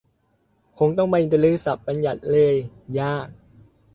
คงต้องไปรื้อศัพท์บัญญัติเลย ยาก